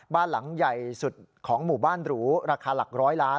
บ้านหลังใหญ่สุดของหมู่บ้านหรูราคาหลักร้อยล้าน